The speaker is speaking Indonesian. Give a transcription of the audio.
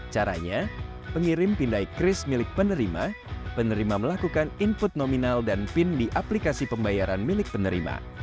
caranya pengirim pindai kris milik penerima penerima melakukan input nominal dan pin di aplikasi pembayaran milik penerima